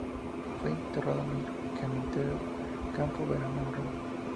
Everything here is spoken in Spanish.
Fue enterrado el en el cementerio Campo Verano en Roma.